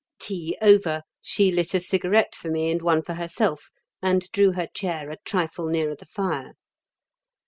Tea over, she lit a cigarette for me and one for herself and drew her chair a trifle nearer the fire.